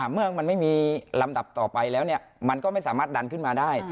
เมื่อมันไม่มีลำดับต่อไปแล้วมันก็ไม่สามารถดันขึ้นมาได้